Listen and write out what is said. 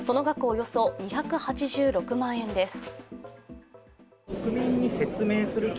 およそ２８６万円です。